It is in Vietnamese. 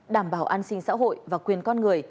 đảm bảo an sinh xã hội và quyền con người